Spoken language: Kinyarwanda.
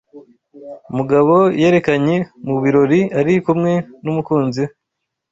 Mugabo yerekanye mu birori ari kumwe n'umukunzi we.